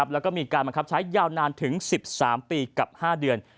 แล้วก็มีการบังคับใช้ยาวนานถึง๑๓ปีกับ๕เดือน